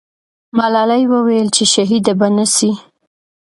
ملالۍ وویل چې شهیده به نه سي.